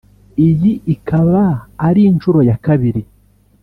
Iyi ikaba ari inshuro ya kabiri